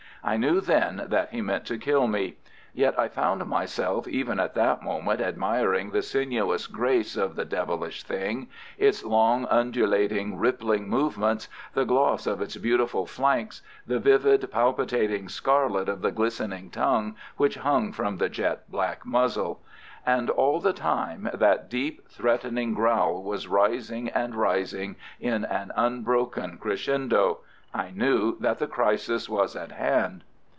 I knew then that he meant to kill me. Yet I found myself even at that moment admiring the sinuous grace of the devilish thing, its long, undulating, rippling movements, the gloss of its beautiful flanks, the vivid, palpitating scarlet of the glistening tongue which hung from the jet black muzzle. And all the time that deep, threatening growl was rising and rising in an unbroken crescendo. I knew that the crisis was at hand.